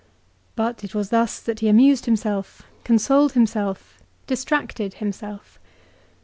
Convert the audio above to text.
But it was thus that he amused himself, consoled himself, distracted himself.